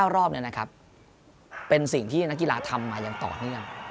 รอบนี้นะครับเป็นสิ่งที่นักกีฬาทำมาอย่างต่อเนื่อง